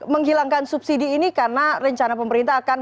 menghilangkan subsidi ini karena rencana pemerintah akan